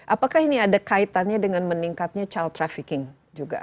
apakah ini ada kaitannya dengan meningkatnya child trafficking juga